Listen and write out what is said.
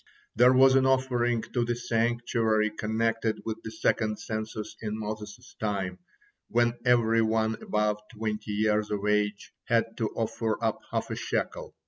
There was an offering to the sanctuary connected with the second census in Moses' time, when every one above twenty years of age had to offer up half a shekel.